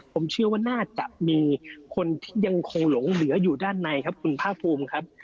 ผมเชื่อว่าน่าจะมีคนที่ยังคงหลงเหลืออยู่ด้านในครับคุณภาคภูมิครับ